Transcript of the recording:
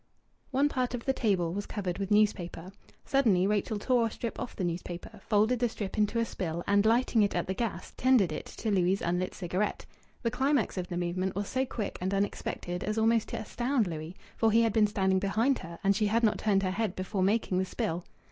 One part of the table was covered with newspaper. Suddenly Rachel tore a strip off the newspaper, folded the strip into a spill, and, lighting it at the gas, tendered it to Louis' unlit cigarette. The climax of the movement was so quick and unexpected as almost to astound Louis. For he had been standing behind her, and she had not turned her head before making the spill.